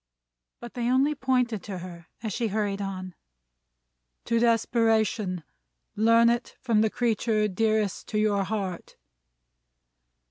But, they only pointed to her, as she hurried on; "To desperation! Learn it from the creature dearest to your heart!"